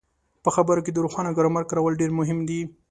په خبرو کې د روښانه ګرامر کارول ډېر مهم دي.